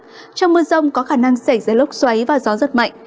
trong mưa rông có khả năng xảy ra lốc xoáy và gió rất mạnh